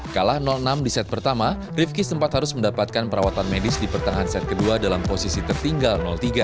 kalah enam di set pertama rivki sempat harus mendapatkan perawatan medis di pertengahan set kedua dalam posisi tertinggal tiga